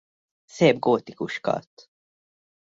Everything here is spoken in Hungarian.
Szép gótikus kath.